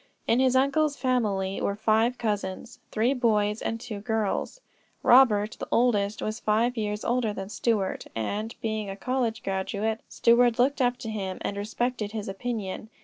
In his uncle's family were five cousins, three boys and two girls. Robert, the oldest, was five years older than Stuart, and, being a college graduate, Stuart looked up to him and respected his opinion.